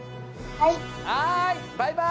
はいバイバイ！